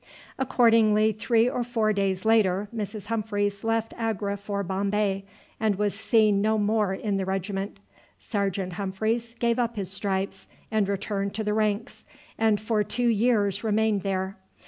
Accordingly three or four days later Mrs. Humphreys left Agra for Bombay, and was seen no more in the regiment. Sergeant Humphreys gave up his stripes and returned to the ranks, and for two years remained there.